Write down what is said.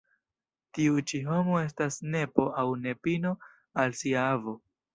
Tiu ĉi homo estas nepo aŭ nepino al sia avo.